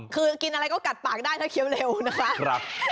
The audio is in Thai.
คือกินอะไรก็กัดปากได้ถ้าเคี้ยวเร็วนะคะ